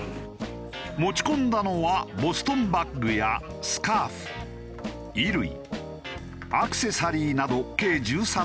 持ち込んだのはボストンバッグやスカーフ衣類アクセサリーなど計１３点。